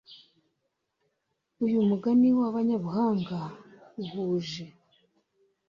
uyu mugani w’abanyabuhanga uhuje